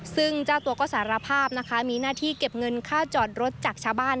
ซึ่งเจ้าตัวก็สารภาพนะคะมีหน้าที่เก็บเงินค่าจอดรถจากชาวบ้าน